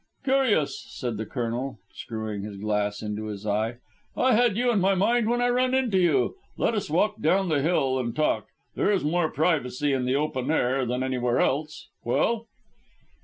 "Curious," said the Colonel, screwing his glass into his eye. "I had you in my mind when I ran into you. Let us walk down the hill and talk: there is more privacy in the open air than anywhere else. Well?"